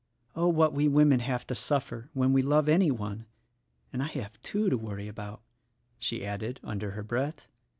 Oh, what we women have to suffer, when we love any one; and I have two to worry about," she added, under her breath.